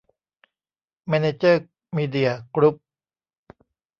แมเนเจอร์ มีเดีย กรุ๊ป